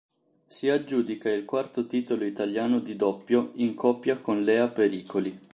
Si aggiudica il quarto titolo italiano di doppio, in coppia con Lea Pericoli.